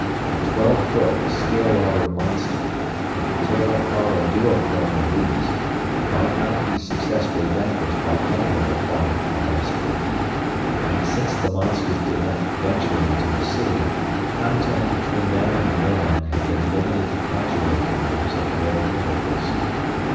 A twelve foot, scale armored monster, that could tear apart a duocorn with ease, might not be successfully vanquished by any of the fauna of Astra. And since the monsters did not venture into the sea, contact between them and the mermen had been limited to casual encounters at rare intervals.